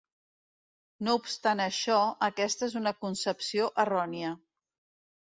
No obstant això, aquesta és una concepció errònia.